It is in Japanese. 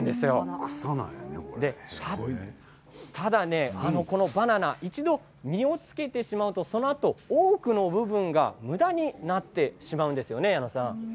ただ、このバナナ一度実をつけてしまうとその後、多くの部分がむだになってしまうんですよね。